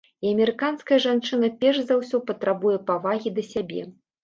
І амерыканская жанчына перш за ўсё патрабуе павагі да сябе.